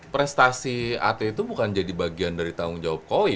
prestasi atlet itu bukan jadi bagian dari tanggung jawab koi